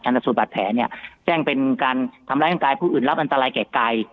อันดับสูตรบัตรแผลเนี้ยแจ้งเป็นการทำระยังกายผู้อื่นรับอันตรายแก่ไก่